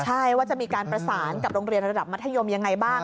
ใช่ว่าจะมีการประสานกับโรงเรียนระดับมัธยมยังไงบ้าง